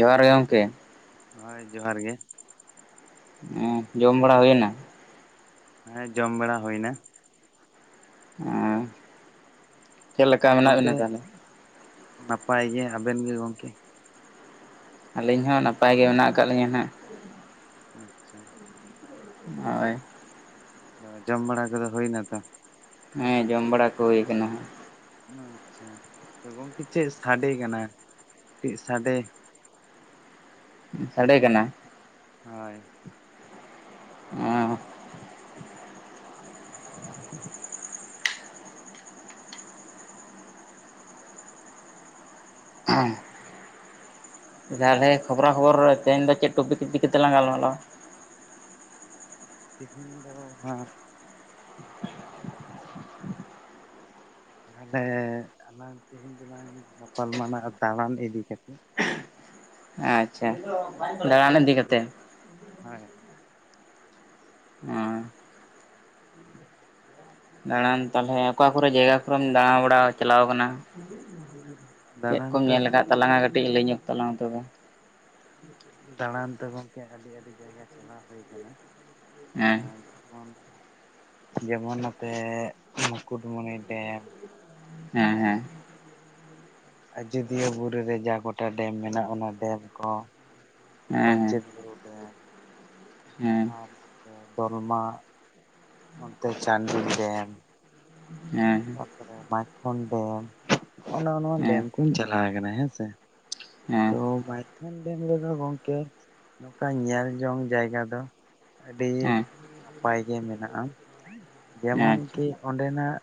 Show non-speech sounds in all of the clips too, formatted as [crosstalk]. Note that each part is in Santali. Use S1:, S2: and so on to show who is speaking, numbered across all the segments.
S1: ᱡᱚᱦᱟᱨ ᱜᱮ ᱜᱚᱝᱹᱠᱮ
S2: ᱦᱳᱭ ᱡᱚᱦᱟᱨ ᱜᱮ
S1: ᱩᱸ ᱡᱚᱢ ᱵᱟᱹᱲᱟ ᱦᱩᱭᱹᱱᱟ
S2: ᱦᱮᱸ ᱡᱚᱢ ᱵᱟᱲᱟ ᱦᱩᱭ ᱱᱟ
S1: ᱚᱸ
S2: ᱜᱚᱝᱹᱠᱮ ᱱᱟᱯᱟᱭ ᱜᱮ ᱟᱵᱮᱱ ᱜᱮ ᱜᱚᱝᱹᱠᱮ
S1: ᱟᱹᱞᱤᱧ ᱦᱚᱸ ᱱᱟᱯᱟᱭ ᱜᱮ ᱢᱮᱱᱟᱜ ᱟᱠᱟᱫ ᱞᱤᱧᱟᱹ ᱱᱟᱦᱟᱜ
S2: ᱟᱪᱪᱷᱟ
S1: ᱦᱳᱭ
S2: ᱡᱚᱢ ᱵᱟᱲᱟ ᱠᱚᱫᱚ ᱦᱩᱭᱱᱟ ᱛᱚ ᱾
S1: ᱦᱮᱸ ᱡᱚᱢ ᱵᱟᱲᱟ ᱠᱚ ᱦᱩᱭ ᱟᱠᱟᱱᱟ
S2: ᱟᱪᱪᱷᱟ ᱛᱚ ᱜᱚᱝᱠᱮ ᱪᱮᱫ ᱥᱟᱰᱮ ᱠᱟᱱᱟ ᱾ ᱪᱮᱫ ᱥᱟᱰᱮ
S1: ᱥᱟᱰᱮ ᱠᱟᱱᱟ ᱾
S2: ᱦᱳᱭ
S1: ᱮᱸᱜ ᱦᱮᱸ ᱛᱟᱦᱚᱞᱮ ᱠᱷᱚᱵᱽᱨᱟ ᱠᱷᱚᱵᱚᱨ ᱛᱮᱦᱮᱧ ᱫᱚ ᱪᱮᱫ ᱴᱚᱯᱤᱠ ᱤᱫᱤ ᱠᱟᱹᱛᱮᱞᱟᱝ ᱜᱟᱞᱢᱟᱨᱟᱣᱟ?
S2: ᱛᱮᱦᱤᱧ ᱫᱚ ᱦᱟᱸ ᱛᱟᱦᱚᱞᱮ ᱟᱞᱟᱝ ᱛᱮᱦᱮᱧ ᱫᱚᱞᱟᱝ ᱜᱟᱯᱟᱞᱢᱟᱨᱟᱣ ᱫᱟᱬᱟᱱ ᱤᱫᱤ ᱠᱟᱛᱮᱫ,
S1: ᱟᱪᱪᱷᱟ ᱫᱟᱬᱟᱱ ᱤᱫᱤ ᱠᱟᱛᱮ,
S2: ᱦᱳᱭ ᱦᱳᱭ
S1: ᱦᱚᱸ ᱫᱟᱬᱟᱱ ᱛᱟᱦᱚᱞᱮ ᱚᱠᱟ ᱠᱚᱨᱮ ᱡᱟᱭᱜᱟ ᱠᱚᱨᱮᱢ ᱫᱟᱬᱟ ᱵᱟᱲᱟ ᱪᱟᱞᱟᱣ ᱠᱟᱱᱟ? ᱪᱮᱫ
S2: ᱫᱟᱬᱟᱱ
S1: ᱠᱚᱢ
S2: ᱛᱚ
S1: ᱧᱮᱞ ᱟᱠᱟᱫ
S2: ᱜᱚᱝᱠᱮ
S1: ᱛᱟᱞᱟᱝᱟ ᱠᱟᱹᱴᱤᱡ ᱞᱟᱹᱭ ᱧᱚᱜ ᱛᱟᱞᱟᱝ ᱢᱮ ᱛᱚᱵᱮ,
S2: ᱫᱟᱬᱟᱱ ᱫᱚ ᱜᱚᱝᱠᱮ ᱟᱹᱰᱤ ᱟᱹᱰᱤ ᱡᱟᱭᱜᱟ ᱪᱟᱞᱟᱣ ᱦᱩᱭ ᱠᱟᱱᱟ
S1: ᱦᱮᱸ
S2: ᱟᱨ ᱡᱮᱢᱚᱱ ᱱᱚᱛᱮ ᱢᱩᱠᱩᱴᱢᱚᱱᱤ ᱰᱮᱢ,
S1: ᱦᱮᱸ ᱦᱮᱸ
S2: ᱟᱡᱫᱤᱭᱟᱹ ᱵᱩᱨᱩᱨᱮ ᱡᱟ ᱜᱚᱴᱟ ᱰᱮᱢ ᱢᱮᱱᱟᱜᱼᱟ ᱚᱱᱟ ᱰᱮᱢ ᱠᱚ,
S1: ᱦᱮᱸ
S2: ᱯᱟᱱᱧᱪᱮᱫ ᱵᱩᱨᱩ ᱵᱮᱢ
S1: ᱦᱮᱸ
S2: ᱟᱨ ᱱᱚᱛᱮ ᱫᱚᱞᱢᱟᱜ ᱱᱚᱛᱮ ᱪᱟᱸᱱᱰᱤᱞ ᱰᱮᱢ
S1: ᱦᱮᱸ
S2: ᱛᱟᱨᱯᱚᱨᱮ ᱢᱟᱭᱛᱷᱚᱱ ᱰᱮᱢ ᱱᱚᱜ ᱱᱚᱣᱟ
S1: ᱦᱮᱸ ᱦᱮᱸ
S2: ᱰᱮᱢ ᱠᱩᱧ ᱪᱟᱞᱟᱣ ᱠᱟᱱᱟ ᱦᱮᱸᱥᱮ,
S1: ᱦᱮᱸ
S2: ᱛᱚ ᱢᱟᱭᱛᱷᱚᱱ ᱰᱮᱢ ᱨᱮᱫᱚ ᱜᱚᱝᱠᱮ, ᱱᱚᱝᱠᱟ ᱧᱮᱞ ᱡᱚᱝ ᱡᱟᱭᱜᱟ ᱫᱚ ᱟᱹᱰᱤ
S1: ᱦᱮᱸ
S2: ᱱᱟᱯᱟᱭ ᱜᱮ ᱢᱮᱱᱟᱜ-ᱟ ᱡᱮᱢᱚᱱ
S1: ᱟᱪᱪᱷᱟ
S2: ᱠᱤ ᱚᱸᱰᱮᱱᱟᱜ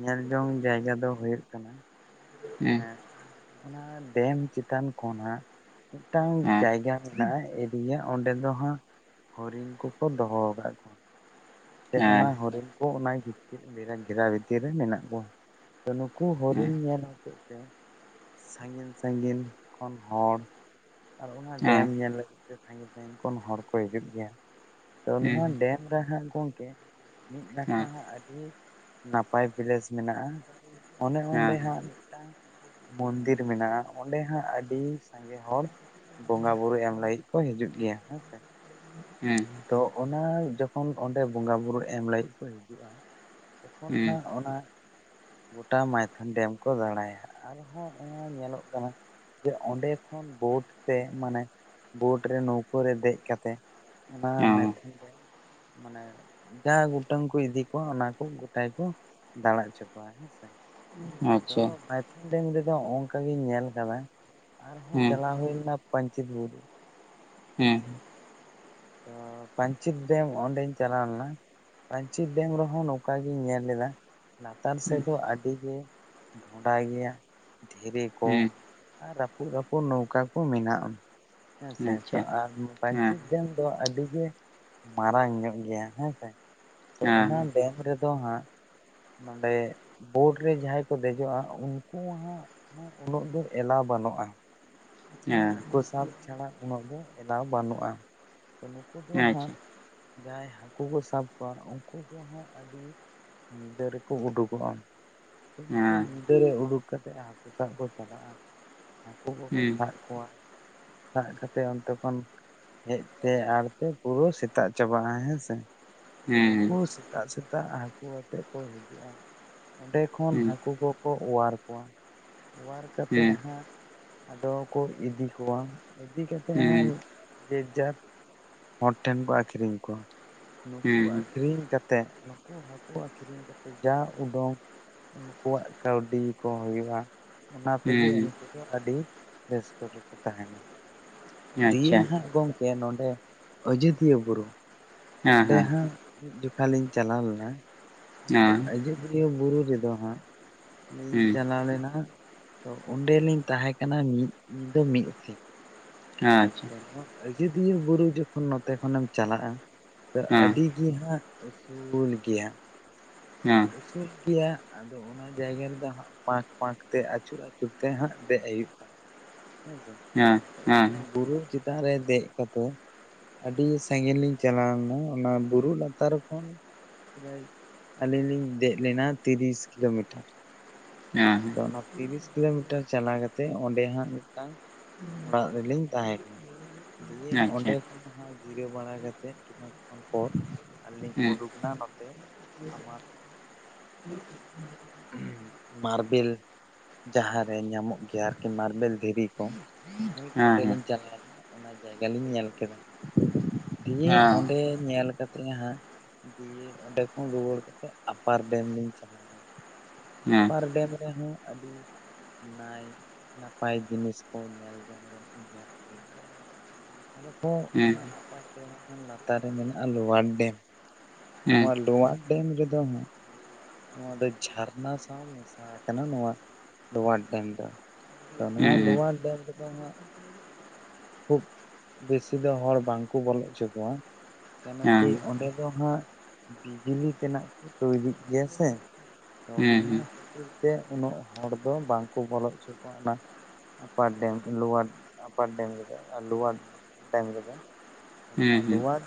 S2: ᱧᱮᱞ ᱡᱚᱝ ᱡᱟᱭᱜᱟ ᱫᱚ ᱦᱩᱭᱩᱜ ᱠᱟᱱᱟ ᱾ ᱮ ᱚᱱᱟ ᱰᱮᱢ ᱪᱮᱛᱟᱱ ᱠᱷᱚᱱᱟᱜ ᱢᱤᱫᱴᱟᱝ ᱡᱟᱭᱜᱟ ᱢᱮᱱᱟᱜ-ᱟ ᱾ ᱮᱨᱤᱭᱟ ᱚᱸᱰᱮ ᱫᱚ ᱦᱟᱸᱜ ᱦᱚᱨᱤᱱ ᱠᱚᱠᱚ ᱫᱚᱦᱚ ᱟᱠᱟᱫ ᱠᱚᱣᱟ ᱾ ᱥᱮ ᱚᱱᱟ ᱦᱚᱨᱤᱱ ᱠᱚ ᱚᱱᱟ ᱵᱷᱤᱛᱤᱨ ᱜᱷᱮᱨᱟ ᱵᱷᱤᱛᱤᱨ ᱨᱮ ᱢᱮᱱᱟᱜ ᱠᱚᱣᱟ ᱾ ᱛᱚ ᱱᱩᱠᱩ ᱦᱚᱨᱤᱱ ᱧᱮᱞ ᱦᱚᱛᱮᱫ ᱛᱮ ᱥᱟᱺᱜᱤᱧ ᱥᱟᱺᱜᱤᱧ ᱠᱷᱚᱱ ᱦᱚᱲ ᱟᱨ ᱚᱱᱟ ᱰᱮᱢ ᱧᱮᱞ ᱞᱟᱹᱜᱤᱫ ᱛᱮ ᱥᱟᱺᱜᱤᱧ ᱥᱟᱺᱜᱤᱧ ᱠᱷᱚᱱ ᱦᱚᱲ ᱠᱚ ᱦᱤᱡᱩᱜ ᱜᱮᱭᱟ ᱛᱚ ᱱᱚᱣᱟ ᱰᱮᱢ ᱾ ᱢᱤᱨᱟᱦᱟᱸᱫ ᱠᱩᱱᱫ ᱛᱮ ᱢᱤᱫ ᱱᱟᱠᱷᱟ ᱦᱚᱸ ᱟᱹᱰᱤ ᱱᱟᱯᱟᱭ ᱯᱮᱞᱮᱥ ᱢᱮᱱᱟᱜ-ᱟ ᱾ ᱚᱱᱮ ᱚᱸᱰᱮ ᱦᱟᱸᱜ ᱢᱤᱫᱴᱟᱝ ᱢᱚᱱᱫᱤᱨ ᱢᱮᱱᱟᱜᱼᱟ ᱚᱸᱰᱮ ᱦᱟᱸᱜ ᱟᱹᱰᱤ ᱥᱟᱸᱜᱮ ᱦᱚᱲ ᱵᱚᱸᱜᱟ ᱵᱩᱨᱩ ᱮᱢ ᱞᱟᱹᱜᱤᱫ ᱠᱚ ᱦᱤᱡᱩᱜ ᱜᱮᱭᱟ ᱦᱮᱸᱥᱮ,
S1: ᱦᱮᱸ
S2: ᱛᱚ ᱚᱱᱟ ᱡᱚᱠᱷᱚᱱ ᱚᱸᱰᱮ ᱵᱚᱸᱜᱟ ᱵᱩᱨᱩ ᱮᱢ ᱞᱟᱹᱜᱤᱫ ᱠᱚ ᱦᱤᱡᱩᱜᱼᱟ ᱾ ᱛᱚᱠᱷᱚᱱ ᱦᱟᱸᱜ ᱚᱱᱟ ᱜᱚᱴᱟ ᱢᱟᱭᱛᱷᱚᱱ ᱰᱮᱢ ᱠᱚ ᱫᱟᱬᱟᱭᱟᱜ-ᱟ ᱾ ᱟᱨᱦᱚᱸ ᱚᱱᱟ ᱧᱮᱞᱚᱜ ᱠᱟᱱᱟ ᱡᱮ ᱚᱸᱰᱮ ᱠᱷᱚᱱ ᱵᱳᱴ ᱛᱮ ᱢᱟᱱᱮ ᱵᱳᱰ ᱨᱮ ᱱᱟᱹᱣᱠᱟᱹ ᱨᱮ ᱫᱮᱡ ᱠᱟ ᱠᱟᱛᱮᱫ ᱚᱱᱟ ᱢᱟᱭᱛᱷᱚᱱ ᱰᱮ ᱢᱟᱱᱮ ᱡᱟ ᱜᱚᱴᱟᱹᱱ ᱠᱚ ᱤᱫᱤ ᱠᱚᱣᱟ ᱚᱱᱟ ᱠᱚ ᱜᱚᱴᱟᱭ ᱛᱮ ᱫᱟᱬᱟ ᱦᱚᱪᱚ ᱠᱚᱣᱟ ᱦᱮᱸ ᱥᱮ ᱛᱚ ᱢᱟᱭᱛᱷᱚᱱ ᱰᱮᱢ ᱨᱮᱫᱚ ᱚᱱᱠᱟ ᱜᱤᱧ ᱧᱮᱞ ᱠᱟᱫᱟ ᱟᱨᱦᱚᱸ ᱪᱟᱞᱟᱣ ᱦᱳᱭ ᱞᱮᱱᱟ ᱯᱟᱧᱪᱤᱛ ᱵᱩᱨᱩ ᱟᱪᱪᱷᱟ ᱛᱚ ᱯᱟᱧᱪᱤᱛ ᱰᱮᱢ ᱚᱸᱰᱮᱧ ᱪᱟᱞᱟᱣ ᱞᱮᱱᱟ ᱯᱟᱧᱪᱤᱛ ᱰᱮᱢ ᱨᱮᱦᱚᱸ ᱱᱚᱝᱠᱟ ᱜᱤᱧ ᱧᱮᱞ ᱞᱮᱫᱟ ᱞᱟᱛᱟᱨ ᱥᱮᱫ ᱫᱚ ᱟᱹᱰᱤ ᱜᱮ ᱰᱷᱚᱸᱰᱟ ᱜᱮᱭᱟ ᱫᱷᱤᱨᱤ ᱠᱚ ᱟᱨ ᱨᱟᱹᱯᱩᱫ ᱨᱟᱹᱯᱩᱫ ᱱᱚᱣᱠᱟ ᱠᱚ ᱢᱮᱱᱟᱜᱼᱟ ᱦᱮᱸ ᱥᱮ ᱟᱨ ᱯᱟᱧᱪᱤᱛ ᱰᱮᱢ ᱫᱚ ᱟᱹᱰᱤ ᱜᱮ ᱢᱟᱨᱟᱝ ᱧᱚᱜ ᱜᱮᱭᱟ ᱦᱮᱸ ᱥᱮ ᱛᱚ ᱚᱱᱟ ᱰᱮᱢ ᱨᱮᱫᱚ ᱦᱟᱸᱜ ᱱᱚᱸᱰᱮ ᱵᱳᱴ ᱨᱮ ᱡᱟᱦᱟᱸᱭ ᱠᱚ ᱫᱮᱡᱚᱜᱼᱟ ᱩᱱᱠᱩ ᱦᱟᱸᱜ ᱩᱱᱟᱹᱜ ᱫᱚ ᱮᱞᱟ ᱵᱟᱹᱱᱩᱜᱼᱟ
S1: ᱦᱮᱸ
S2: ᱦᱟᱹᱠᱩ ᱥᱟᱵ ᱪᱷᱟᱲᱟ ᱩᱱᱟᱹᱜ ᱫᱚ ᱮᱞᱟᱣ ᱵᱟᱹᱱᱩᱜ-ᱟ ᱛᱚ ᱱᱩᱠᱩ ᱫᱚ ᱦᱟᱸᱜ ᱡᱟᱦᱟᱸᱭ ᱦᱟᱹᱠᱩ ᱠᱚ ᱥᱟᱵ ᱠᱚᱣᱟ ᱩᱱᱠᱩ ᱠᱚᱦᱚᱸ ᱟᱹᱰᱤ ᱧᱤᱫᱟᱹ ᱨᱮᱠᱚ ᱳᱰᱳᱠᱚᱜᱟᱢ ᱛᱚ ᱩᱱᱠᱩ ᱧᱤᱫᱟᱹ ᱨᱮ ᱩᱰᱩᱠ ᱠᱟᱛᱮᱫ ᱦᱟᱠᱳ ᱥᱟᱵ ᱠᱚ ᱪᱟᱞᱟᱜᱼᱟ ᱦᱟᱠᱳ ᱠᱚᱠᱚ ᱥᱟᱜ ᱠᱚᱣᱟ ᱥᱟᱵ ᱠᱟᱛᱮᱫ ᱚᱱᱛᱮ ᱠᱷᱚᱱ ᱦᱮᱡ ᱛᱮ ᱟᱲᱛᱮ ᱯᱩᱨᱟᱹ ᱥᱮᱛᱟᱜ ᱪᱟᱵᱟᱜᱼᱟ ᱦᱮᱸ ᱥᱮ ᱱᱩᱠᱩ ᱥᱮᱛᱟᱜ ᱥᱮᱛᱟᱜ ᱦᱟᱠᱳ ᱟᱛᱮᱜ ᱠᱚ ᱦᱤᱡᱩᱜᱼᱟ ᱚᱸᱰᱮ ᱠᱷᱚᱱ ᱦᱟᱠᱳ ᱠᱚ ᱠᱚ ᱚᱣᱟᱨ ᱠᱚᱣᱟ ᱚᱣᱟᱨ ᱠᱟᱛᱮᱜ ᱦᱟᱸᱜ ᱟᱫᱚ ᱠᱚ ᱤᱫᱤ ᱠᱚᱣᱟ ᱤᱫᱤ ᱠᱟᱛᱮ ᱦᱟᱸᱜ ᱡᱮᱡ ᱡᱟᱨ ᱦᱚᱲ ᱴᱷᱮᱱ ᱠᱚ ᱟᱹᱠᱤᱧ ᱠᱚᱣᱟ ᱱᱩᱠᱩ ᱟᱠᱷᱨᱤᱧ ᱠᱟᱛᱮᱫ ᱩᱱᱠᱩ ᱦᱟᱠᱳ ᱟᱠᱨᱤᱧ ᱠᱟᱛᱮ ᱡᱟ ᱩᱰᱩᱝ ᱩᱱᱠᱩᱣᱟᱜ ᱠᱟᱹᱣᱰᱤ ᱠᱚ ᱦᱳᱭᱳᱜᱼᱟ ᱚᱱᱟ ᱛᱮᱜᱮ ᱩᱱᱠᱩ ᱫᱚ ᱟᱹᱰᱤ ᱵᱮᱥ ᱠᱚᱨᱮ ᱠᱚ ᱛᱟᱦᱮᱱᱟ ᱫᱤᱭᱮ ᱦᱟᱸᱜ ᱜᱚᱢᱠᱮ ᱱᱚᱰᱮ ᱟᱡᱳᱫᱤᱭᱟᱹ ᱵᱩᱨᱩ ᱚᱸᱰᱮ ᱦᱟᱸᱜ ᱢᱤᱫ ᱡᱚᱠᱷᱟ ᱞᱤᱧ ᱪᱟᱞᱟᱣ ᱞᱮᱱᱟ ᱚᱱᱟ ᱟᱡᱚᱫᱤᱭᱟᱹ ᱵᱩᱨᱩ ᱨᱮᱫᱚ ᱦᱟᱸᱜ ᱞᱤᱧ ᱪᱟᱞᱟᱣ ᱞᱮᱱᱟ ᱦᱟᱸᱜ ᱛᱚ ᱚᱸᱰᱮᱞᱤᱧ ᱛᱟᱦᱮᱸ ᱠᱟᱱᱟ ᱢᱤᱫ ᱧᱤᱫᱟᱹ ᱢᱤᱫ ᱥᱤᱧ
S1: ᱟᱪᱪᱷᱟ
S2: ᱛᱚ ᱱᱚᱣᱟ ᱟᱡᱚᱫᱤᱭᱟᱹ ᱵᱩᱨᱩ ᱡᱚᱠᱷᱚᱱ ᱱᱚᱛᱮ ᱠᱷᱚᱱᱮᱢ ᱪᱟᱞᱟᱜᱼᱟ ᱛᱚ ᱟᱹᱰᱤ ᱜᱮ ᱦᱟᱸᱜ ᱩᱥᱩᱞ ᱜᱮᱭᱟ ᱩᱥᱩᱞ ᱜᱮᱭᱟ ᱟᱫᱚ ᱚᱱᱟ ᱡᱟᱭᱜᱟ ᱨᱮᱫᱚ ᱦᱟᱸᱜ ᱯᱟᱸᱠ ᱯᱟᱸᱠ ᱛᱮ ᱟᱹᱪᱩᱨ ᱟᱹᱪᱩᱨ ᱛᱮ ᱦᱟᱸᱜ ᱫᱮᱜ ᱦᱩᱭᱩᱜ ᱛᱟᱢᱟ ᱦᱮᱸ ᱥᱮ
S1: ᱦᱮᱸ-ᱦᱮᱸ
S2: ᱵᱩᱨᱩ ᱪᱮᱛᱟᱱ ᱨᱮ ᱫᱮᱡ ᱠᱟᱛᱮ ᱟᱹᱰᱤ ᱥᱟᱺᱜᱤᱧ ᱞᱤᱧ ᱪᱟᱞᱟᱣᱱᱟ ᱚᱱᱟ ᱵᱩᱨᱩ ᱞᱟᱛᱟᱨ ᱠᱷᱚᱱ ᱟᱹᱞᱤᱧ ᱞᱤᱧ ᱫᱮᱡ ᱞᱮᱱᱟ ᱛᱤᱨᱤᱥ ᱠᱤᱞᱳᱢᱤᱴᱟᱨ
S1: ᱦᱮᱸ
S2: ᱛᱚ ᱚᱱᱟ ᱛᱤᱨᱤᱥ ᱠᱤᱞᱳᱢᱤᱴᱟᱨ ᱪᱟᱞᱟᱣ ᱠᱟᱛᱮ ᱚᱸᱰᱮ ᱦᱟᱸᱜ ᱢᱤᱫᱴᱟᱝ ᱚᱲᱟᱜ ᱨᱮᱞᱤᱧ ᱛᱟᱦᱮᱸ ᱠᱟᱱᱟ ᱫᱤᱭᱮ ᱚᱸᱰᱮ [unintelligible] ᱦᱟᱸᱜ ᱡᱤᱨᱟᱹᱣ ᱵᱟᱲᱟ ᱠᱟᱛᱮᱫ ᱠᱷᱟᱱᱮᱠ ᱠᱷᱚᱱ ᱯᱚᱨ ᱟᱨ ᱞᱤᱧ ᱩᱰᱩᱠᱱᱟ ᱱᱚᱛᱮ ᱟᱢᱟᱜ
S1: [inaudible] [inaudible]
S2: ᱢᱟᱨᱵᱮᱞ ᱡᱟᱦᱟᱸ ᱨᱮ ᱧᱟᱢᱚᱜ ᱜᱮᱭᱟ ᱟᱨᱠᱤ ᱢᱟᱨᱵᱮᱞ ᱫᱷᱤᱨᱤ ᱠᱚ ᱦᱳᱭ ᱚᱸᱰᱮᱞᱤᱧ ᱪᱟᱞᱟᱣ ᱞᱮᱱᱟ᱾ ᱚᱱᱟ ᱡᱟᱭᱜᱟ ᱞᱤᱧ ᱧᱮᱞ ᱠᱮᱫᱟ, ᱫᱤᱭᱮ ᱚᱸᱰᱮ ᱧᱮᱞ ᱠᱟᱛᱮ ᱦᱟᱸᱜ ᱫᱤᱭᱮ ᱚᱸᱰᱮ ᱠᱷᱚᱱ ᱨᱩᱭᱟᱹᱲ ᱠᱟᱛᱮᱫ ᱟᱯᱟᱨ ᱰᱮᱢ ᱞᱤᱧ ᱪᱟᱞᱟᱣᱱᱟ ᱟᱯᱟᱨ ᱰᱮᱢ ᱨᱮᱦᱚᱸ ᱟᱹᱰᱤ ᱱᱟᱭ ᱱᱟᱯᱟᱭ ᱡᱤᱱᱤᱥ ᱠᱚ ᱧᱮᱞ ᱡᱚᱝ ᱨᱮᱱᱟᱜ ᱤᱧ ᱧᱮᱞ ᱠᱮᱫᱟ ᱟᱨᱦᱚᱸ ᱚᱱᱟ ᱟᱯᱟᱨ ᱰᱮᱢ ᱠᱷᱚᱱ ᱞᱟᱛᱟᱨ ᱨᱮ ᱢᱮᱱᱟᱜᱼᱟ ᱞᱳᱣᱟᱨ ᱰᱮᱢ ᱱᱚᱣᱟ ᱞᱳᱣᱟᱨ ᱰᱮᱢ ᱨᱮᱫᱚ ᱦᱟᱸᱜ ᱱᱚᱣᱟ ᱫᱚ ᱡᱷᱟᱨᱱᱟ ᱥᱟᱶ ᱢᱮᱥᱟ ᱠᱟᱱᱟ ᱱᱚᱣᱟ ᱞᱳᱣᱟᱨ ᱰᱮᱢ ᱫᱚ ᱛᱚ ᱱᱚᱣᱟ ᱞᱳᱣᱟᱨ ᱰᱮᱢ ᱨᱮᱫᱚ ᱦᱟᱸᱜ ᱠᱷᱩᱵ ᱵᱮᱥᱤ ᱫᱚ ᱦᱚᱲ ᱵᱟᱝ ᱠᱚ ᱵᱚᱞᱚ ᱚᱪᱚ ᱠᱚᱣᱟ ᱠᱮᱱᱚ ᱠᱤ ᱚᱸᱰᱮ ᱫᱚ ᱦᱟᱸᱜ ᱵᱤᱡᱽᱞᱤ ᱛᱮᱱᱟᱜ ᱠᱚ ᱛᱳᱭᱨᱤᱜ ᱜᱤᱭᱟ ᱥᱮ? ᱛᱚ ᱚᱱᱟ ᱠᱷᱟᱹᱛᱤᱨ ᱛᱮ ᱩᱱᱟᱹᱜ ᱦᱚᱲ ᱫᱚ ᱵᱟᱝᱠᱚ ᱵᱚᱞᱚ ᱚᱪᱚ ᱠᱚᱣᱟ ᱚᱱᱟ ᱼᱼ ᱟᱯᱟᱨ ᱰᱮᱢ ᱞᱩᱣᱟᱰ ᱟᱯᱟᱨ ᱰᱮᱢ ᱜᱮ ᱾ ᱞᱩᱣᱟᱰ ᱰᱮᱢ ᱨᱮᱫᱚ ᱱᱚᱣᱟ ᱞᱩᱣᱟᱰ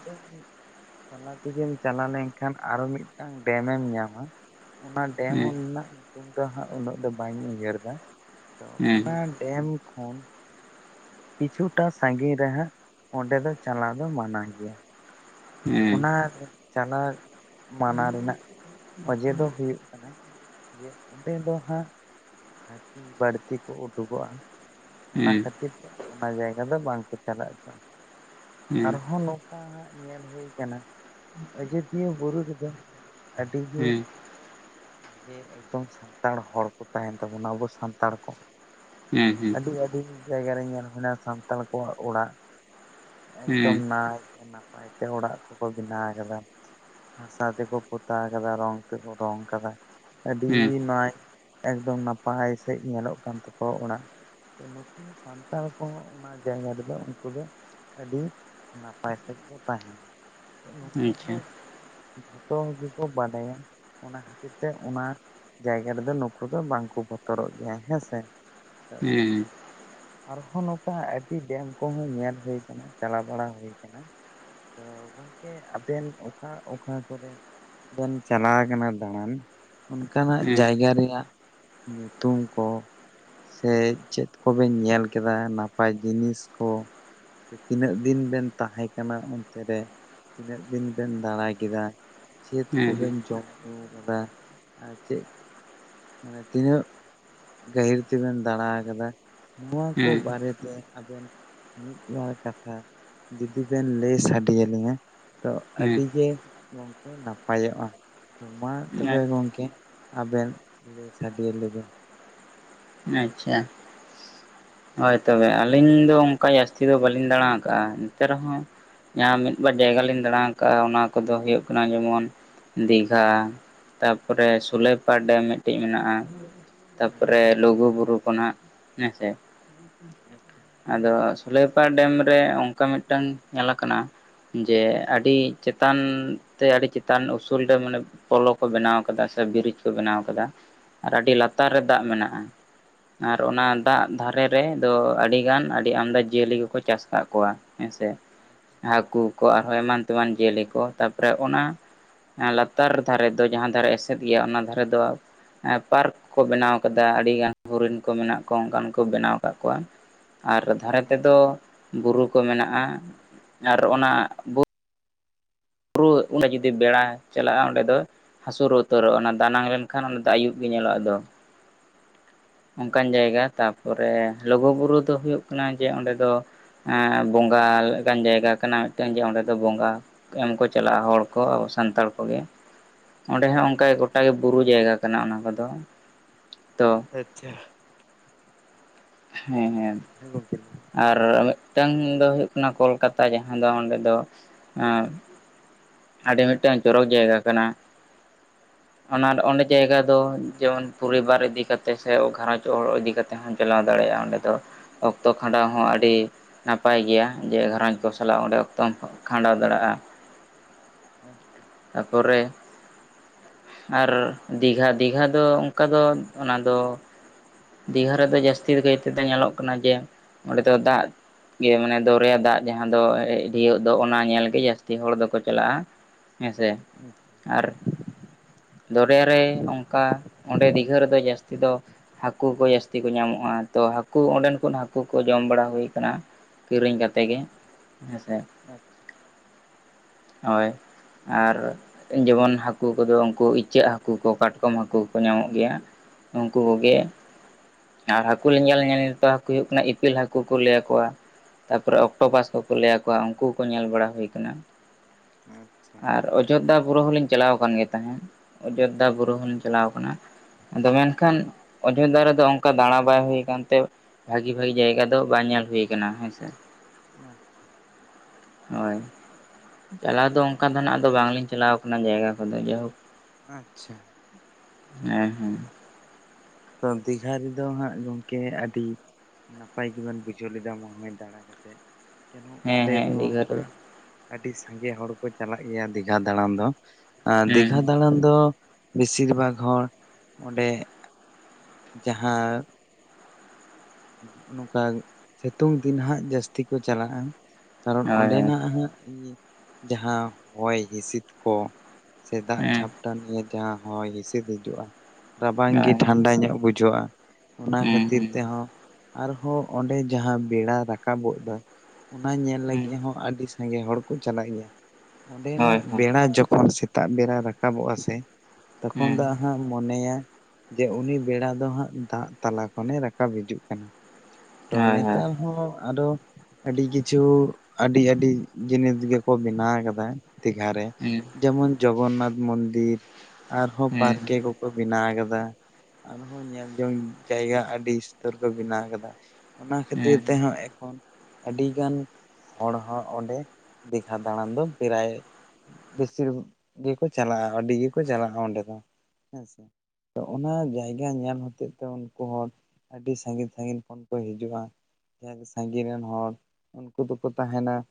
S2: ᱼᱼ ᱛᱟᱞᱟ ᱛᱮᱜᱮᱢ ᱪᱟᱞᱟ ᱞᱮᱱᱠᱷᱟᱱ ᱟᱨ ᱢᱤᱫᱴᱟᱝ ᱰᱮᱢᱮᱢ ᱧᱟᱢᱟ ᱾ ᱚᱱᱟ ᱰᱮᱢ ᱨᱮᱱᱟᱜ ᱧᱩᱛᱩᱢ ᱫᱚ ᱦᱟᱸᱜ ᱩᱱᱟᱹᱜ ᱫᱚ ᱵᱟᱹᱧ ᱩᱭᱦᱟᱹᱨ ᱫᱟ ᱾ ᱛᱚ ᱚᱱᱟ ᱰᱮᱢ ᱠᱷᱚᱱ ᱼᱼ ᱠᱤᱪᱷᱩᱴᱟ ᱥᱟᱺᱜᱤᱧ ᱨᱮᱦᱟᱸᱜ ᱚᱸᱰᱮ ᱫᱚ ᱪᱟᱞᱟ ᱫᱚ ᱢᱟᱱᱟ ᱜᱮᱭᱟ ᱾ ᱚᱱᱟ ᱪᱟᱞᱟ ᱢᱟᱱᱟ ᱨᱮᱱᱟᱜ ᱚᱡᱮ ᱫᱚ ᱦᱩᱭᱩᱜ ᱠᱟᱱᱟ ᱼᱼ ᱡᱮ ᱚᱸᱰᱮ ᱫᱚ ᱦᱟᱸᱜ ᱼᱼ ᱦᱟᱹᱛᱤ ᱵᱟᱹᱲᱛᱤ ᱠᱚ ᱩᱰᱩᱠᱚᱜᱼᱟ ᱚᱱᱟ ᱠᱷᱟᱹᱛᱤᱨ ᱾ ᱚᱱᱟ ᱡᱟᱭᱜᱟ ᱫᱚ ᱵᱟᱝ ᱠᱚ ᱪᱟᱞᱟ ᱚᱪᱚᱜ-ᱟ ᱾ ᱟᱨᱦᱚᱸ ᱱᱚᱠᱟ ᱦᱟᱸᱜ ᱧᱮᱞ ᱦᱩᱭᱩ ᱠᱟᱱᱟ ᱼᱼ ᱟᱡᱟᱫᱷᱤᱭᱟᱹ ᱵᱩᱨᱩ ᱨᱮᱫᱚ ᱼᱼ ᱟᱹᱰᱤ ᱜᱮ ᱥᱟᱸᱜᱮ ᱮᱠᱫᱚᱢ ᱥᱟᱱᱛᱟᱲ ᱦᱚᱲ ᱠᱚ ᱛᱟᱦᱮᱸᱱᱟ ᱾ ᱛᱟᱵᱚᱱᱟ ᱟᱵᱚ ᱥᱟᱱᱛᱟᱲ ᱠᱚ ᱾ ᱟᱹᱰᱤ ᱟᱹᱰᱤ ᱡᱟᱭᱜᱟ ᱨᱮ ᱧᱮᱞ ᱦᱩᱭᱱᱟ ᱥᱟᱱᱛᱟᱲ ᱠᱚᱣᱟᱜ ᱚᱲᱟᱜ ᱾ ᱮᱠᱫᱚᱢ ᱱᱟᱭᱛᱮ ᱱᱟᱯᱟᱭ ᱛᱮ ᱚᱲᱟᱜ ᱠᱚᱠᱚ ᱵᱮᱱᱟ ᱟᱠᱟᱫᱟ ᱾ ᱦᱟᱥᱟ ᱛᱮᱠᱚ ᱯᱚᱛᱟ ᱟᱠᱟᱫᱟ ᱨᱚᱝ ᱛᱮᱠᱚ ᱨᱚᱝ ᱠᱟᱫᱟ ᱾ ᱟᱹᱰᱤ ᱱᱟᱭ ᱥᱮ ᱮᱠᱫᱚᱢ ᱱᱟᱯᱟᱭ ᱥᱟᱹᱦᱤᱡ ᱧᱮᱞᱚᱜ ᱠᱟᱱ ᱛᱟᱠᱚᱣᱟ ᱚᱲᱟᱜ ᱾ ᱛᱚ ᱱᱩᱠᱩ ᱥᱟᱱᱛᱟᱲ ᱠᱚᱦᱚᱸ ᱚᱱᱟ ᱡᱟᱭᱜᱟ ᱨᱮᱫᱚ ᱩᱱᱠᱩ ᱫᱚ ᱟᱹᱰᱤ ᱼᱼ ᱱᱟᱯᱟᱭ ᱛᱮᱜᱮ ᱠᱚ ᱛᱟᱦᱮᱱᱟ ᱛᱚ ᱱᱩᱠᱩ ᱦᱚᱲ ᱫᱚ ᱼᱼ ᱡᱷᱚᱛᱚ ᱜᱮᱠᱚ ᱵᱟᱰᱟᱭᱟ ᱼᱼ ᱚᱱᱟ ᱠᱷᱟᱹᱛᱤᱨ ᱛᱮ ᱚᱱᱟ ᱡᱟᱭᱜᱟ ᱨᱮᱫᱚ ᱱᱩᱠᱩ ᱫᱚ ᱵᱟᱝᱠᱚ ᱼᱼ ᱵᱚᱛᱚᱨᱚᱜ ᱜᱮᱭᱟ ᱦᱮᱸ ᱥᱮ ᱛᱚ ᱼᱼ ᱟᱨᱦᱚᱸ ᱱᱚᱠᱟ ᱟᱹᱰᱤ ᱰᱮᱢ ᱠᱚᱦᱚᱸ ᱧᱮᱞ ᱦᱩᱭ ᱠᱟᱱᱟ ᱪᱟᱞᱟ ᱵᱟᱲᱟ ᱦᱩᱭᱩ ᱠᱟᱱᱟ ᱾ ᱛᱚ ᱜᱚᱝᱠᱮ ᱟᱵᱮᱱ ᱚᱠᱟ ᱚᱠᱟ ᱠᱚᱨᱮ ᱼᱼ ᱵᱮᱱ ᱪᱟᱞᱟ ᱟᱠᱟᱱᱟ ᱫᱟᱬᱟᱱ ᱚᱱᱠᱟᱱᱟᱜ ᱡᱟᱭᱜᱟ ᱨᱮᱭᱟᱜ ᱼᱼ ᱧᱩᱛᱩᱢ ᱠᱚ ᱼᱼ ᱥᱮ ᱪᱮᱫ ᱠᱚᱵᱮᱱ ᱧᱮᱞ ᱠᱮᱫᱟ ᱱᱟᱯᱟᱭ ᱡᱤᱱᱤᱥ ᱠᱚ ᱼᱼ ᱥᱮ ᱛᱤᱱᱟᱹᱜ ᱫᱤᱱ ᱵᱮᱱ ᱛᱟᱦᱮᱸ ᱠᱟᱱᱟ ᱚᱱᱛᱮ ᱨᱮ? ᱛᱤᱱᱟᱹᱜ ᱫᱤᱱ ᱵᱮᱱ ᱫᱟᱬᱟ ᱠᱮᱫᱟ? ᱪᱮᱫ ᱠᱚᱵᱮᱱ ᱡᱚᱢ ᱧᱩ ᱠᱟᱫᱟ ᱟᱨ ᱪᱮᱫ ᱼᱼ ᱢᱟᱱᱮ ᱛᱤᱱᱟᱹᱜ ᱜᱟᱹᱦᱤᱨ ᱛᱮᱵᱮᱱ ᱫᱟᱬᱟ ᱟᱠᱟᱫᱟ ᱱᱚᱣᱟ ᱠᱚ ᱵᱟᱨᱮ ᱼᱼ ᱛᱮ ᱟᱵᱮᱱ ᱢᱤᱫ ᱵᱟᱨ ᱠᱟᱛᱷᱟ ᱡᱩᱫᱤ ᱵᱮᱱ ᱞᱟᱹᱭ ᱥᱟᱰᱮ ᱟᱹᱞᱤᱧᱟ ᱼᱼ ᱛᱚ ᱟᱹᱰᱤ ᱜᱮ [unintelligible] ᱜᱮ ᱱᱟᱯᱟᱭᱚᱜᱼᱟ ᱛᱚ ᱢᱟ ᱛᱚᱵᱮ ᱜᱚᱝᱠᱮ ᱟᱵᱮᱱ ᱞᱟᱹᱭ ᱥᱟᱰᱮ ᱟᱞᱮᱵᱮᱱ ᱾
S1: ᱟᱪᱪᱷᱟ ᱾ ᱦᱳᱭ ᱛᱚᱵᱮ ᱟᱹᱞᱤᱧ ᱫᱚ ᱚᱱᱠᱟ ᱡᱟᱹᱥᱛᱤ ᱫᱚ ᱵᱟᱹᱞᱤᱧ ᱫᱟᱬᱟ ᱟᱠᱟᱜᱼᱟ ᱮᱱᱛᱮ ᱨᱮᱦᱚᱸ ᱼᱼ ᱡᱟᱦᱟᱸ ᱢᱤᱫ ᱵᱟᱨ ᱡᱟᱭᱜᱟ ᱞᱤᱧ ᱫᱟᱬᱟ ᱟᱠᱟᱜᱼᱟ ᱚᱱᱟ ᱠᱚᱫᱚ ᱦᱩᱭᱩᱜ ᱠᱟᱱᱟ ᱡᱮᱢᱚᱱ ᱫᱤᱜᱷᱟ ᱾ ᱛᱟᱯᱚᱨᱮ ᱥᱳᱞᱮᱯᱟ ᱰᱮᱢ ᱢᱤᱫᱴᱮᱡ ᱢᱮᱱᱟᱜᱼᱟ ᱾ ᱛᱟᱯᱚᱨᱮ
S2: ᱟᱪᱪᱷᱟ
S1: ᱞᱩᱜᱩᱼᱵᱩᱨᱩ ᱠᱷᱚᱱᱟᱜ ᱦᱮᱸᱥᱮ ᱾
S2: ᱟᱪᱪᱷᱟ ᱾
S1: ᱟᱫᱚ ᱥᱳᱞᱮᱯᱟ ᱰᱮᱢ ᱨᱮ ᱚᱱᱠᱟ ᱢᱤᱫᱴᱟᱝ ᱧᱮᱞ ᱟᱠᱟᱱᱟ ᱼᱼ ᱡᱮ ᱟᱹᱰᱤ ᱪᱮᱛᱟᱱ ᱛᱮ ᱟᱹᱰᱤ ᱪᱮᱛᱟᱱ ᱩᱥᱩᱞ ᱨᱮ ᱢᱟᱱᱮ ᱼᱼ ᱯᱚᱞᱚ ᱠᱚ ᱵᱮᱱᱟᱣ ᱟᱠᱟᱫᱟ ᱥᱮ ᱵᱨᱤᱡᱽ ᱠᱚ ᱵᱮᱱᱟᱣ ᱟᱠᱟᱫᱟ ᱟᱨ ᱟᱹᱰᱤ ᱞᱟᱛᱟᱨ
S2: ᱟᱪᱪᱷᱟ
S1: ᱨᱮ ᱫᱟᱜ ᱢᱮᱱᱟᱜᱼᱟ ᱾ ᱟᱨ ᱚᱱᱟ
S2: ᱟᱪᱪᱷᱟ
S1: ᱫᱟᱜ ᱫᱷᱟᱨᱮ ᱨᱮᱫᱚ ᱟᱹᱰᱤ ᱜᱟᱱ ᱟᱹᱰᱤ ᱟᱢᱫᱟ ᱡᱤᱭᱟᱹᱞᱤ ᱠᱚᱠᱚ ᱪᱟᱥ ᱠᱟᱜ ᱠᱚᱣᱟ ᱾ ᱦᱮᱸᱥᱮ
S2: ᱟᱪᱪᱷᱟ
S1: ᱦᱟᱹᱠᱩ ᱠᱚ ᱟᱨᱦᱚᱸ ᱮᱢᱟᱱ ᱛᱮᱢᱟᱱ ᱡᱤᱭᱟᱹᱞᱤ ᱠᱚ ᱛᱟᱨᱯᱚᱨᱮ ᱚᱱᱟ ᱞᱟᱛᱟᱨ ᱫᱷᱟᱨᱮ ᱫᱚ ᱡᱟᱦᱟᱸ ᱫᱷᱟᱨᱮ ᱮᱥᱮᱫ ᱜᱮᱭᱟ ᱚᱱᱟ ᱫᱷᱟᱨᱮ ᱫᱚ ᱯᱟᱨᱠ ᱠᱚ ᱵᱮᱱᱟᱣ ᱟᱠᱟᱫᱟ ᱟᱹᱰᱤ ᱜᱟᱱ ᱦᱚᱨᱤᱱ ᱠᱚ ᱢᱮᱱᱟᱜ ᱠᱚᱣᱟ ᱚᱱᱠᱟᱱ ᱠᱚ ᱵᱮᱱᱟᱣ ᱟᱠᱟᱫ ᱠᱚᱣᱟ ᱟᱨ ᱫᱷᱟᱨᱮ ᱛᱮᱫᱚ ᱵᱩᱨᱩ ᱠᱚ ᱢᱮᱱᱟᱜᱼᱟ ᱟᱨ ᱚᱱᱟ ᱵᱩ ᱯᱩᱨ ᱚᱸᱰᱮ ᱡᱩᱫᱤ ᱵᱮᱲᱟ ᱪᱟᱞᱟᱜᱼᱟ ᱚᱸᱰᱮ ᱫᱚ ᱦᱟᱹᱥᱩᱨ ᱩᱛᱟᱹᱨᱚᱜᱼᱟ ᱚᱱᱟ ᱫᱟᱱᱟᱝ ᱞᱮᱱᱠᱷᱟᱱ ᱚᱱᱟ ᱫᱚ ᱟᱹᱭᱩᱵᱽ ᱜᱮ ᱧᱮᱞᱚᱜᱼᱟ ᱟᱫᱚ ᱚᱱᱠᱟᱱ
S2: ᱟᱪᱪᱷᱟ
S1: ᱡᱟᱭᱜᱟ ᱛᱟᱯᱚᱨᱮ ᱞᱩᱜᱩᱼᱵᱩᱨᱩ ᱫᱚ ᱦᱩᱭᱩᱜ ᱠᱟᱱᱟ ᱡᱮ ᱚᱸᱰᱮ ᱫᱚ ᱮᱸᱻ ᱵᱚᱸᱜᱟ ᱞᱮᱠᱟᱱ ᱡᱟᱭᱜᱟ ᱠᱟᱱᱟ ᱢᱤᱫᱴᱟᱝ ᱡᱮ ᱚᱸᱰᱮ ᱫᱚ ᱵᱚᱸᱜᱟ ᱮᱢ ᱠᱚ ᱪᱟᱞᱟᱜᱼᱟ ᱦᱚᱲ ᱠᱚ ᱟᱵᱚ ᱥᱟᱱᱛᱟᱲ ᱠᱚ ᱜᱮ ᱚᱸᱰᱮ ᱦᱚᱸ
S2: ᱟᱪᱪᱷᱟ
S1: ᱚᱱᱠᱟ ᱜᱮ ᱜᱚᱴᱟ ᱜᱮ ᱵᱩᱨᱩ ᱡᱟᱭᱜᱟ ᱠᱟᱱᱟ ᱚᱱᱟ ᱠᱚ ᱫᱚ ᱛᱚ
S2: ᱟᱪᱪᱷᱟ ᱾
S1: ᱦᱮᱸ ᱦᱮᱸ ᱾
S2: ᱦᱮᱸ ᱜᱚᱝᱠᱮ ᱾
S1: ᱟᱨ ᱢᱤᱫᱴᱟᱝ ᱫᱚ ᱦᱩᱭᱩᱜ ᱠᱟᱱᱟ ᱠᱚᱞᱠᱟᱛᱟ ᱡᱟᱦᱟᱸ ᱫᱚ ᱚᱸᱰᱮ ᱫᱚ ᱟᱹᱰᱤ ᱢᱤᱫᱴᱟᱱ ᱪᱚᱨᱚᱠ ᱡᱟᱭᱜᱟ ᱠᱟᱱᱟ ᱚᱱᱟ ᱚᱸᱰᱮ ᱡᱟᱭᱜᱟ ᱫᱚ ᱡᱮᱢᱚᱱ ᱯᱚᱨᱤᱵᱟᱨ ᱤᱫᱤ ᱠᱟᱛᱮ ᱥᱮ ᱜᱷᱟᱨᱚᱸᱡᱽ ᱦᱚᱲ ᱤᱫᱤ ᱛᱮᱦᱚᱸᱢ ᱪᱟᱞᱟᱣ ᱫᱟᱲᱮᱭᱟᱜᱼᱟ ᱚᱸᱰᱮ ᱫᱚ ᱚᱠᱛᱚ ᱠᱷᱟᱸᱰᱟᱣ ᱦᱚᱸ ᱟᱹᱰᱤ
S2: ᱟᱪᱪᱷᱟ
S1: ᱱᱟᱯ ᱱᱟᱯᱟᱭ ᱜᱮᱭᱟ ᱡᱮ ᱜᱷᱟᱨᱚᱸᱡᱽ ᱠᱚ ᱥᱟᱞᱟᱜ ᱚᱸᱰᱮ ᱚᱠᱛᱚᱢ ᱠᱷᱟᱸᱰᱟᱣ ᱫᱟᱲᱮᱭᱟᱜᱼᱟ
S2: ᱟᱪᱪᱷᱟ
S1: ᱛᱟᱯᱚᱨᱮ ᱟᱨ ᱫᱤᱜᱷᱟ ᱫᱤᱜᱷᱟ ᱫᱚ ᱚᱱᱠᱟ ᱫᱚ ᱚᱱᱟ ᱫᱚ ᱫᱤᱜᱷᱟ ᱨᱮᱫᱚ ᱡᱟᱹᱥᱛᱤ ᱠᱟᱭ ᱛᱮ ᱧᱮᱞᱚᱜ ᱠᱟᱱᱟ ᱡᱮ ᱚᱸᱰᱮ ᱫᱚ ᱫᱟᱜ ᱜᱮ ᱢᱟᱱᱮ ᱫᱚᱨᱭᱟ ᱫᱟᱜ ᱡᱟᱦᱟᱸ ᱫᱚ ᱤᱭᱟᱜ ᱫᱚ ᱚᱱᱟ ᱧᱮᱞ ᱜᱮ ᱡᱟᱹᱥᱛᱤ ᱦᱚᱲ ᱫᱚ ᱠᱚ ᱪᱟᱞᱟᱜᱼᱟ᱾ ᱦᱮᱸᱥᱮ ᱟᱨ ᱫᱚᱨᱭᱟ ᱨᱮ ᱚᱱᱠᱟ ᱚᱸᱰᱮ ᱫᱤᱜᱷᱟᱹ ᱨᱮᱫᱚ ᱡᱟᱹᱥᱛᱤ ᱫᱚ ᱦᱟᱹᱠᱩ ᱠᱚ ᱡᱟᱹᱥᱛᱤ ᱠᱚ ᱧᱟᱢᱚᱜᱼᱟ ᱛᱚ ᱦᱟᱹᱠᱩ ᱚᱸᱰᱮᱱ ᱠᱚ ᱦᱟᱹᱠᱩ ᱠᱚ ᱡᱚᱢ ᱵᱟᱲᱟ ᱦᱩᱭ ᱟᱠᱟᱱᱟ ᱠᱤᱨᱤᱧ ᱠᱟᱛᱮ ᱛᱮᱜᱮ
S2: ᱟᱪᱪᱷᱟ
S1: ᱦᱮᱸᱥᱮ
S2: ᱟᱪᱪᱷᱟ
S1: ᱦᱳᱭ ᱟᱨ ᱡᱮᱢᱚᱱ ᱦᱟᱹᱠᱩ ᱠᱚᱫᱚ ᱩᱱᱠᱩ ᱤᱪᱟᱹᱜ ᱦᱟᱹᱠᱩ ᱠᱚ ᱠᱟᱴᱠᱚᱢ ᱦᱟᱹᱠᱩ ᱠᱚ ᱧᱟᱢᱚᱜ ᱜᱮᱭᱟ ᱩᱱᱠᱩ ᱠᱚ ᱜᱮ ᱟᱨ ᱦᱟᱹᱠᱩ ᱞᱮ ᱧᱮᱞ ᱧᱮᱞ ᱛᱮ ᱦᱟᱹᱠᱩᱭᱚᱜ ᱠᱟᱱᱟ ᱤᱯᱤᱞ ᱦᱟᱹᱠᱩ ᱠᱚ ᱞᱟᱹᱭ ᱠᱚᱣᱟ ᱛᱟᱯᱚᱨᱮ
S2: ᱦᱩᱸ
S1: ᱚᱠᱴᱳᱯᱟᱥ ᱞᱟᱹᱭ ᱟᱠᱚᱣᱟ ᱩᱱᱠᱩ ᱦᱚᱸ ᱠᱚ ᱧᱮᱞ ᱵᱟᱲᱟ ᱦᱩᱭ ᱟᱠᱟᱱᱟ
S2: ᱟᱪᱪᱷᱟ
S1: ᱟᱨ ᱚᱡᱳᱫᱽᱫᱷᱟ ᱵᱩᱨᱩ ᱦᱚᱞᱤᱧ ᱪᱟᱞᱟᱣ ᱟᱠᱟᱱ ᱜᱮ ᱛᱟᱦᱮᱸᱫ ᱚᱡᱳᱫᱽᱫᱷᱟ ᱵᱩᱨᱩ ᱦᱚᱞᱤᱧ ᱪᱟᱞᱟᱣ ᱟᱠᱟᱱᱟ᱾ ᱟᱫᱚ ᱢᱮᱱᱠᱷᱟᱱ ᱚᱡᱳᱫᱽᱫᱷᱟ ᱨᱮᱫᱚ ᱚᱱᱠᱟ ᱫᱟᱸᱲᱟ ᱵᱟᱭ ᱦᱩᱭ ᱟᱠᱟᱱ ᱛᱮ ᱵᱷᱟᱹᱜᱤ ᱵᱷᱟᱹᱜᱤ ᱡᱟᱭᱜᱟ ᱫᱚ ᱵᱟᱝ ᱧᱮᱞ ᱦᱩᱭ ᱟᱠᱟᱱᱟ ᱦᱮᱸᱥᱮ
S2: ᱟᱪᱪᱷᱟ
S1: ᱦᱳᱭ ᱪᱟᱞᱟᱣ ᱫᱚ ᱚᱱᱠᱟ ᱫᱚ ᱱᱷᱟᱜ ᱫᱚ ᱵᱟᱝᱞᱤᱧ ᱪᱟᱞᱟᱣ ᱠᱟᱱᱟ ᱡᱟᱭᱜᱟ ᱠᱚᱫᱚ ᱡᱟᱭᱦᱳᱠ
S2: ᱟᱸᱪᱪᱷᱟ
S1: ᱦᱮᱸ ᱦᱩᱸ
S2: ᱛᱚ ᱫᱤᱜᱷᱟ ᱨᱮ ᱫᱚ ᱦᱟᱸᱜ ᱜᱚᱝᱠᱮ ᱟᱹᱰᱤ ᱱᱟᱯᱟᱭ ᱜᱮᱵᱚᱱ ᱵᱩᱡᱷᱟᱹᱣ ᱞᱮᱫᱟ ᱢᱚᱱᱮ ᱫᱟᱲᱟᱸ ᱠᱟᱛᱮᱫ ᱡᱮᱱᱚ
S1: ᱦᱮᱸ
S2: ᱚᱸᱰᱮ
S1: ᱦᱮᱸ
S2: ᱫᱚ
S1: ᱫᱤᱜᱷᱟ ᱨᱮᱫᱚ
S2: ᱦᱟᱸᱜ ᱟᱹᱰᱤ ᱥᱟᱸᱜᱮ ᱦᱚᱲ ᱠᱚ ᱪᱟᱞᱟᱜ ᱜᱮᱭᱟ ᱫᱤᱜᱷᱟ ᱫᱟᱲᱟᱱ ᱫᱚ ᱫᱤᱜᱷᱟ
S1: ᱦᱮᱸ
S2: ᱫᱟᱲᱟᱱ ᱫᱚ ᱵᱤᱥᱤᱨ ᱵᱷᱟᱜᱽ ᱦᱚᱲ ᱚᱸᱰᱮ ᱡᱟᱦᱟᱸ ᱱᱚᱝᱠᱟ ᱥᱤᱛᱩᱝ ᱫᱤᱱ ᱦᱟᱸᱜ ᱡᱟᱹᱥᱛᱤ ᱠᱚ ᱪᱟᱞᱟᱜᱼᱟ ᱠᱟᱨᱚᱱ
S1: ᱦᱮᱸ ᱦᱳᱭ ᱦᱳᱭ
S2: ᱚᱸᱰᱮᱱᱟᱜ ᱦᱟᱸᱜ ᱡᱟᱦᱟᱸ ᱦᱚᱭ ᱦᱤᱸᱥᱤᱫ ᱠᱚ ᱥᱮ ᱫᱟᱜ
S1: ᱦᱮᱸ
S2: ᱡᱷᱟᱯᱴᱟ ᱱᱤᱭᱮ ᱡᱟᱦᱟᱸ ᱦᱚᱭ ᱦᱤᱸᱥᱤᱫ ᱦᱤᱡᱩᱜᱼᱟ᱾ ᱨᱟᱵᱟᱝ ᱜᱮ
S1: ᱦᱳᱭ ᱦᱳᱭ
S2: ᱴᱷᱟᱱᱰᱟ ᱧᱚᱜ ᱵᱩᱡᱷᱟᱹᱜᱼᱟ ᱚᱱᱟ
S1: ᱦᱮᱸ
S2: ᱠᱷᱟᱹᱛᱤᱨ
S1: ᱦᱮᱸ
S2: ᱛᱮᱦᱚᱸ ᱟᱨᱦᱚᱸ ᱚᱸᱰᱮ ᱡᱟᱦᱟᱸ ᱵᱮᱲᱟ ᱨᱟᱠᱟᱵᱚᱜ ᱫᱚᱭ ᱚᱱᱟ ᱧᱮᱞ
S1: ᱦᱮᱸ
S2: ᱞᱟᱹᱜᱤᱫ ᱦᱚᱸ ᱟᱹᱰᱤ ᱥᱟ ᱥᱟᱸᱜᱮ ᱦᱚᱲ ᱠᱚ ᱪᱟᱞᱟᱜ ᱜᱮᱭᱟ
S1: ᱦᱳᱭ
S2: ᱚᱸᱰᱮᱱᱟᱜ
S1: ᱦᱳᱭ
S2: ᱵᱮᱲᱟ ᱡᱚᱠᱷᱚᱱ ᱥᱤᱛ ᱥᱮᱛᱟᱜ ᱵᱮᱨᱟᱭ ᱨᱟᱠᱟᱵᱚᱜᱼᱟ ᱥᱮ ᱛᱚᱠᱷᱚᱱ
S1: ᱦᱮᱸ
S2: ᱫᱚ ᱦᱟᱸᱜ ᱢᱚᱱᱮᱭᱟ ᱡᱮ ᱩᱱᱤ ᱵᱮᱲᱟ ᱫᱚ ᱦᱟᱸᱜ ᱫᱟᱜ ᱛᱟᱞᱟ ᱠᱷᱚᱱᱮ ᱨᱟᱠᱟᱵᱽ ᱦᱤᱡᱩᱜ ᱠᱟᱱᱟ। ᱛᱚ
S1: ᱦᱳᱭ ᱦᱳᱭ
S2: ᱱᱮᱛᱟᱨ ᱦᱚᱸ ᱟᱨᱚ ᱟᱹᱰᱤ ᱠᱤᱪᱷᱩ ᱟᱹᱰᱤ ᱟᱹᱰᱤ ᱡᱤᱱᱤᱥ ᱜᱮᱠᱚ ᱵᱮᱱᱟᱣ ᱟᱠᱟᱫᱟ ᱫᱤᱜᱷᱟ ᱨᱮ।
S1: ᱦᱮᱸ
S2: ᱡᱮᱢᱚᱱ ᱡᱚᱜᱚᱱᱱᱟᱛᱷ ᱢᱚᱱᱫᱤᱨ ᱟᱨᱦᱚᱸ
S1: ᱦᱮᱸ
S2: ᱯᱟᱨᱠᱮ ᱠᱚ ᱵᱮᱱᱟᱣ ᱟᱠᱟᱫᱟ ᱟᱨᱦᱚᱸ ᱧᱮᱞ ᱡᱚᱝ ᱡᱟᱭᱜᱟ ᱟᱹᱰᱤ ᱤᱥᱛᱚᱨ ᱠᱚ ᱵᱮᱱᱟᱣ ᱟᱠᱟᱫᱟ। ᱚᱱᱟ ᱠᱷᱟᱹᱛᱤᱨ
S1: ᱦᱮᱸ
S2: ᱛᱮᱦᱚᱸ ᱮᱠᱷᱚᱱ ᱟᱹᱰᱤᱜᱟᱱ ᱦᱚᱲ ᱦᱚᱸ ᱚᱸᱰᱮ ᱫᱤᱜᱷᱟ ᱫᱟᱬᱟᱱ ᱫᱚ ᱯᱮᱨᱟᱭ ᱵᱤᱥᱤ ᱜᱮᱠᱚ ᱪᱟᱞᱟᱜᱼᱟ, ᱟᱹᱰᱤ ᱜᱮᱠᱚ ᱪᱟᱞᱟᱜᱼᱟ ᱚᱸᱰᱮ ᱫᱚ ᱦᱮᱸ ᱥᱮ। ᱛᱚ ᱚᱱᱟ ᱡᱟᱭᱜᱟ ᱧᱮᱞ ᱦᱚᱛᱮ ᱛᱮ ᱩᱱᱠᱩ ᱦᱚᱲ ᱟᱹᱰᱤ ᱥᱟᱺᱜᱤᱧ ᱥᱟᱺᱜᱤᱧ ᱠᱷᱚᱱ ᱠᱚ ᱦᱤᱡᱩᱜᱼᱟ ᱡᱟᱦᱟᱸ ᱥᱟᱺᱜᱤᱧ ᱨᱤᱱ ᱦᱚᱲ ᱩᱱᱠᱩ ᱫᱚᱠᱚ ᱛᱟᱦᱮᱸᱱᱟ᱾